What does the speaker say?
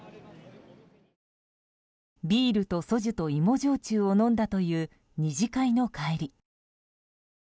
ビールとソジュと芋焼酎を飲んだという二次会の帰り。